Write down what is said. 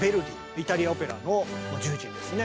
イタリアオペラのもう重鎮ですね。